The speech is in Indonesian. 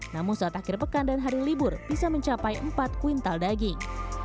namun saat akhir pekan dan hari libur bisa mencapai empat kuintal daging